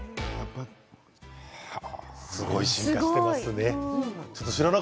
すごい進化してますね。